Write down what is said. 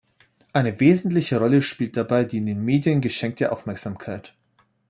Eine wesentliche Rolle spielt dabei die in den Medien geschenkte Aufmerksamkeit.